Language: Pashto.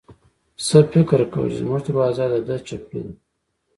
پسه فکر کاوه چې زموږ دروازه د ده د چپلو ده.